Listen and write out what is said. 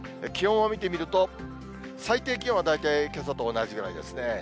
気温を見てみると、最低気温は大体けさと同じぐらいですね。